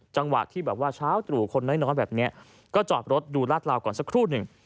จังหวะที่แบบว่าเช้าตรู่คนน้อยแบบนี้ก็จอดรถดูลาดลาวก่อนสักครู่หนึ่ง